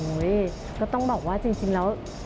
ก็ต้องบอกว่าจริงแล้ว